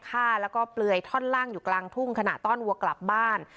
ฆ่าแล้วก็เปลือยท่อนล่างอยู่กลางทุ่งขณะต้อนวัวกลับบ้าน